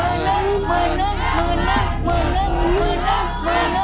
เมื่อสิบเมื่อสิบ